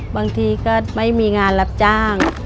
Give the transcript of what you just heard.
บางทีก็ไม่มีงานรับจ้าง